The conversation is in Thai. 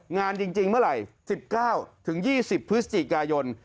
งานจริงเมื่อไหร่๑๙๒๐พฤศจิกายน